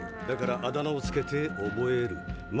だからあだ名を付けて覚える。